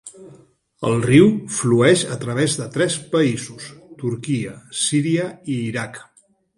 El riu flueix a través de tres països, Turquia, Síria i Iraq.